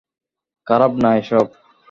খারাপ না এসব।